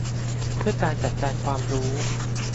เพื่อการจัดการความรู้